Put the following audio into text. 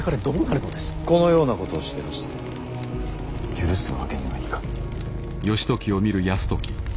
このようなことをしでかして許すわけにはいかぬ。